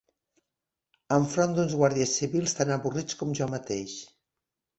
Enfront d'uns guàrdies civils tan avorrits com jo mateix